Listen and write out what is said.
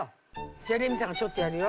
じゃあレミさんがちょっとやるよ。